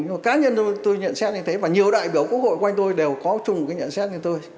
nhưng mà cá nhân tôi nhận xét như thế và nhiều đại biểu quốc hội quanh tôi đều có chung một cái nhận xét như tôi